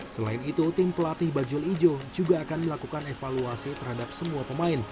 selain itu tim pelatih bajul ijo juga akan melakukan evaluasi terhadap semua pemain